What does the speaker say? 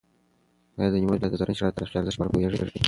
ایا د نیمروز ولایت د زرنج ښار د تاریخي ارزښت په اړه پوهېږې؟